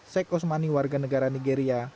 seek osmani warga negara nigeria